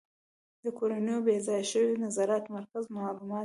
د کورنیو بې ځایه شویو د نظارت مرکز معلومات ښيي.